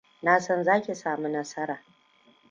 Na san za ki sami nasara.